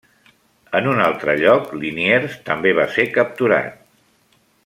En un altre lloc Liniers també va ser capturat.